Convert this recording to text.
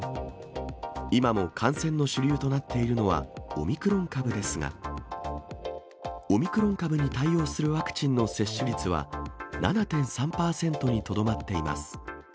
今も感染の主流となっているのは、オミクロン株ですが、オミクロン株に対応するワクチンの接種率は７．３％にとどまっています。